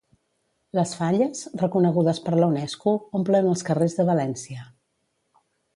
Les Falles, reconegudes per la Unesco, omplen els carrers de València.